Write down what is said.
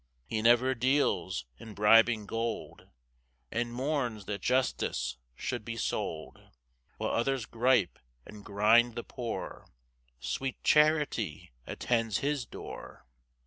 ] 5 [He never deals in bribing gold, And mourns that justice should be sold: While others gripe and grind the poor, Sweet charity attends his door.